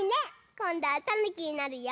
こんどはたぬきになるよ。